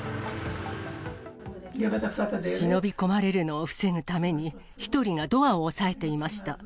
忍び込まれるのを防ぐために、１人がドアを押さえていました。